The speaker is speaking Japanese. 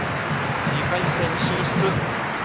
２回戦進出。